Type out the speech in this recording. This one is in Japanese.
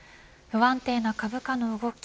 不安定な株価の動き